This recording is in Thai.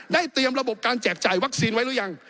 เตรียมระบบการแจกจ่ายวัคซีนไว้หรือยัง